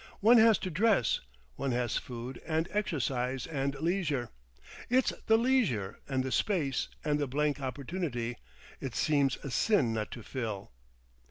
One has to dress.... One has food and exercise and leisure, It's the leisure, and the space, and the blank opportunity it seems a sin not to fill.